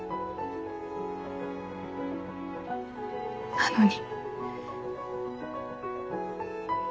なのに。